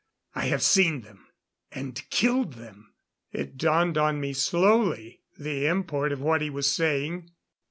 I have seen them and killed them!" It dawned on me slowly, the import of what he was saying.